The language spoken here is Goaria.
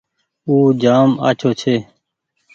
او جآم آڇو ڇي۔